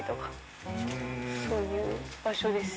そういう場所です。